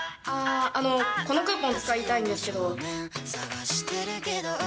あー、このクーポン使いたいんですけど。